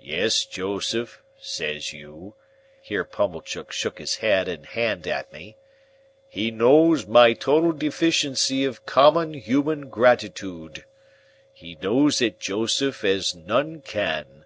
Yes, Joseph,' says you," here Pumblechook shook his head and hand at me, "'he knows my total deficiency of common human gratitoode. He knows it, Joseph, as none can.